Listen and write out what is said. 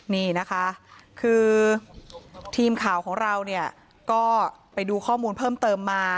นี่นะคะคือทีมข่าวของเราเนี่ยก็ไปดูข้อมูลเพิ่มเติมมา